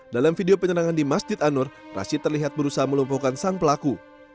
dalam video penyerangan di masjid anur rashid terlihat berusaha melumpuhkan sang pelaku